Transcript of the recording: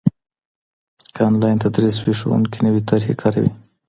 که انلاین تدریس وي، ښوونکي نوي طریقې کاروي.